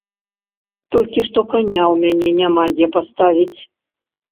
Толькі што каня ў мяне няма дзе паставіць.